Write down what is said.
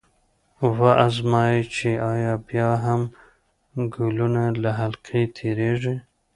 و ازمايئ چې ایا بیا هم ګلوله له حلقې تیریږي؟